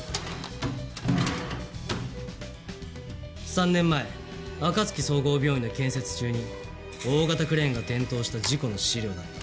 ３年前あかつき総合病院の建設中に大型クレーンが転倒した事故の資料だった。